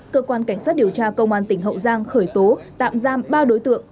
cơ quan cảnh sát điều tra công an tỉnh hậu giang khởi tố tạm giam ba đối tượng